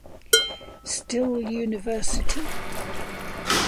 Still University.